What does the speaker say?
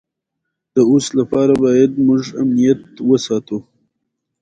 عطايي د خپلو آثارو له لارې ادب ته خدمت کړی دی.